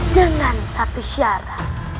dengan satu syarat